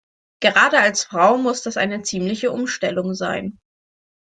Gerade als Frau muss das eine ziemliche Umstellung sein.